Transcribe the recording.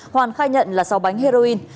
hoàn khai nhận là sáu bánh heroin